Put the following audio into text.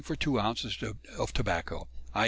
for two ounces of tobacco, _i.